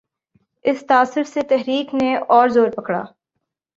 اس تاثر سے تحریک نے اور زور پکڑا۔